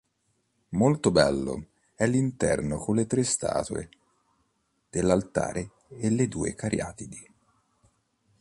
Molto bello è l'interno con le tre statue dell'altare e le due cariatidi.